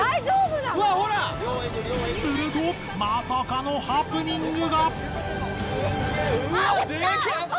するとまさかのハプニングが！